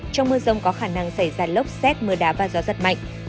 trong mưa rông có khả năng xảy ra lốc xét mưa đá và gió giật mạnh